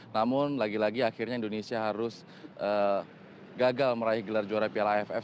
namun lagi lagi akhirnya indonesia harus gagal meraih gelar juara piala aff